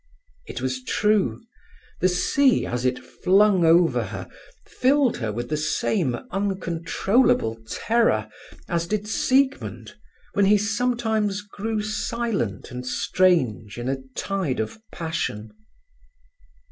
It was true; the sea as it flung over her filled her with the same uncontrollable terror as did Siegmund when he sometimes grew silent and strange in a tide of passion.